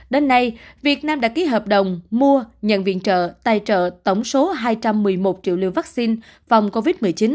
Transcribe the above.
đến nay việt nam đã ký hợp đồng mua nhận viện trợ tài trợ tổng số hai trăm một mươi một triệu liều vaccine phòng covid một mươi chín